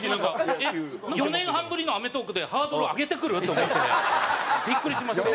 ４年半ぶりの『アメトーーク』でハードル上げてくる？と思ってビックリしました。